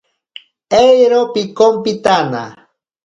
Eero pikompitana.